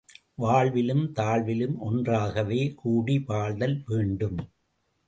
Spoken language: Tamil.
வாழ்விலும் தாழ்விலும் ஒன்றாகவே கூடி வாழ்தல் வேண்டும்!